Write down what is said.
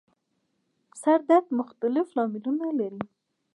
سر درد مختلف لاملونه لري